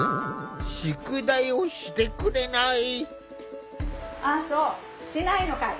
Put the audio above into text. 宿題をしてくれない。